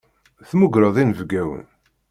Temmugreḍ inebgawen.